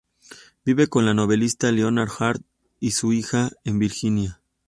Vive con la novelista Lenore Hart y su hija en Virginia.